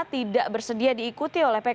tidak bersedia diikuti oleh pks